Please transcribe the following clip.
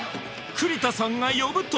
栗田さんが呼ぶと！